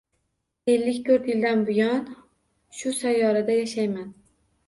Ellik to‘rt yildan buyon shu sayyorada yashayman.